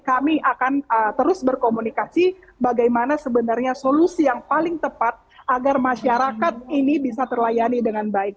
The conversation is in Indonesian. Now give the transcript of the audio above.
kami akan terus berkomunikasi bagaimana sebenarnya solusi yang paling tepat agar masyarakat ini bisa terlayani dengan baik